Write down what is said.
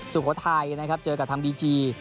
สุโขทัยเจอกับธรรมดีจี